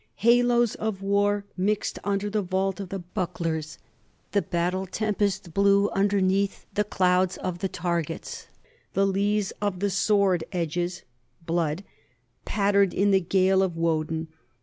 Halos of war mixed under the vault of the bucklers; the battle tempest blew underneath the clouds of the targets, the lees of the sword edges [blood] pattered in the gale of Woden.